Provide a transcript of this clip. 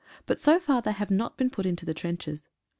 But so far they have not been put into the trenches.